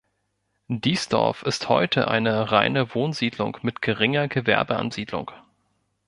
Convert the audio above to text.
Diesdorf ist heute eine reine Wohnsiedlung mit geringer Gewerbeansiedlung.